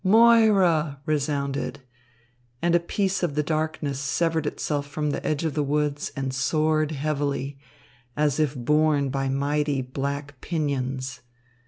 Moira!" resounded, and a piece of the darkness severed itself from the edge of the woods and soared heavily, as if borne by mighty black pinions.